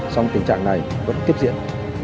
xong tình trạng này vẫn tiếp diễn